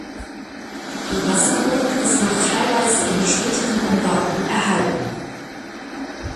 Die Wasserburg ist noch teilweise in den späteren Umbauten erhalten.